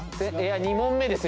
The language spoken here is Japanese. ２問目ですよ